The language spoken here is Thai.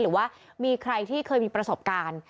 หรือว่ามีใครที่เคยมีประสบการณ์